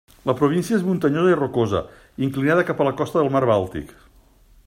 La província és muntanyosa i rocosa, inclinada cap a la costa del mar Bàltic.